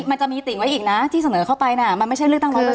มันจะมีติ่งไว้อีกนะที่เสนอเข้าไปนะมันไม่ใช่เลือกตั้งร้อยเปอร์เซ็นต์นะ